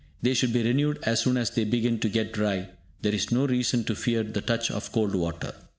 They should be renewed as soon as they begin to get dry; there is no reason to fear the touch of cold water.